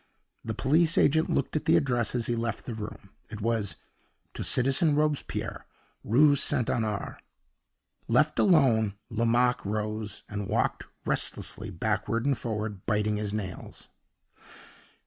The police agent looked at the address as he left the room; it was "To Citizen Robespierre, Rue Saint Honore." Left alone again, Lomaque rose, and walked restlessly backward and forward, biting his nails.